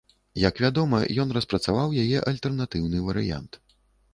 Як вядома, ён распрацаваў яе альтэрнатыўны варыянт.